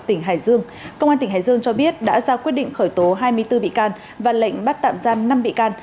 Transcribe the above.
tỉnh hải dương công an tỉnh hải dương cho biết đã ra quyết định khởi tố hai mươi bốn bị can và lệnh bắt tạm giam năm bị can